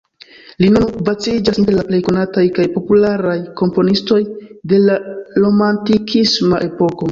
Li nun viciĝas inter la plej konataj kaj popularaj komponistoj de la romantikisma epoko.